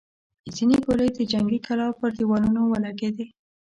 ځينې ګولۍ د جنګي کلا پر دېوالونو ولګېدې.